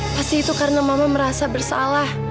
pasti itu karena mama merasa bersalah